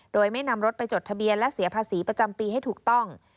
โดยไม่นำรถไปจดทะเบียนและเสียภาษีประจำปีให้ถูกต้อง